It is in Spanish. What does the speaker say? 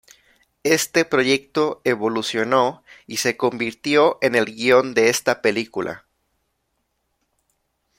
Este proyecto evolucionó y se convirtió en el guion de esta película.